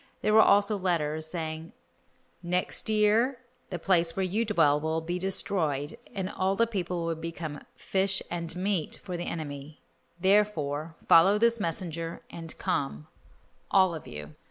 There were also letters, saying, "Next year the place where you dwell will be destroyed and all the people will become 'fish and meat' for the enemy, therefore follow this messenger and come, all of you."